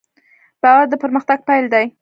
باور د پرمختګ پیل دی.